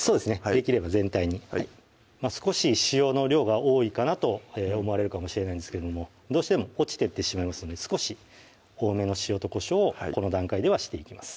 できれば全体にはい少し塩の量が多いかなと思われるかもしれないんですけどどうしても落ちてってしまいますので少し多めの塩とこしょうをこの段階ではしていきます